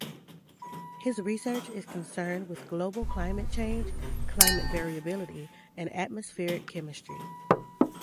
His research is concerned with global climate change, climate variability, and atmospheric chemistry.